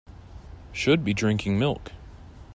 Should be drinking milk.